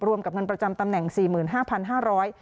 รวมกับเงินประจำตำแหน่งสี่หมื่นห้าพันห้าร้อย